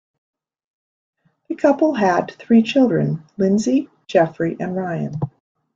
The couple had three children: Lindsey, Jeffrey, and Ryan.